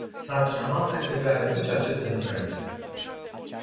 Sarcina noastră este de a reduce aceste diferențe.